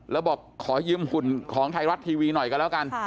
แล้วบอกขอยืมหุ่นของไทยรัฐทีวีหน่อยกันแล้วกัน